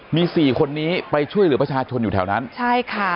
มีสี่คนนี้ไปช่วยเหลือประชาชนอยู่แถวนั้นใช่ค่ะ